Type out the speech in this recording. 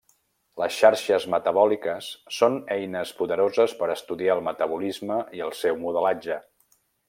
Les xarxes metabòliques són eines poderoses per estudiar el metabolisme i el seu modelatge.